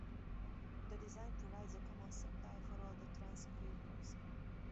The design provides a common supply for all the transceivers.